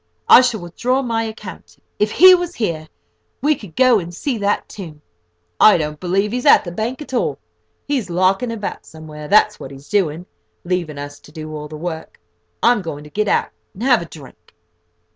I shall withdraw my account. If he was here, we could go and see that tomb. I don't believe he's at the bank at all. He's larking about somewhere, that's what he's doing, leaving us to do all the work. I'm going to get out, and have a drink."